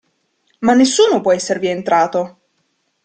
Ma nessuno può esservi entrato!